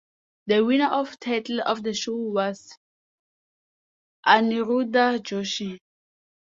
The winner of title of the show was Aniruddha Joshi.